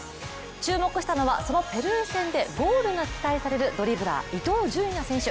注目したのは、そのペルー戦でゴールが期待されるドリブラー、伊東純也選手。